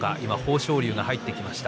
豊昇龍が入ってきました。